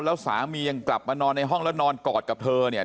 แล้วสามียังกลับมานอนในห้องแล้วนอนกอดกับเธอเนี่ย